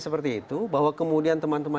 seperti itu bahwa kemudian teman teman